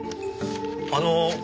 あの。